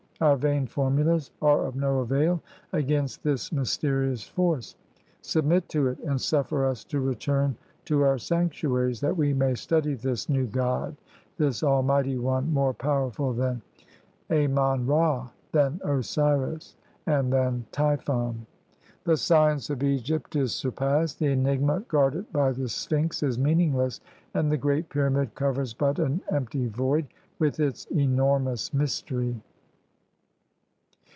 Our vain formulas are of no avail against this mysterious force. Submit to it, and suffer us to return to our sanctuaries, that we may study this new God, this Almighty One more powerful than Amon Ra, than Osiris, and than T>phon. The science of Egypt is surpassed; the enigma guarded by the Sphinx is meaningless, and the Great Pyramid covers but an empty void, with its enormous mystery."